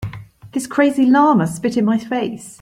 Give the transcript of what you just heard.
This crazy llama spit in my face.